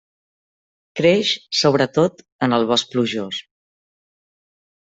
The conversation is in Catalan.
Creix sobretot en el bosc plujós.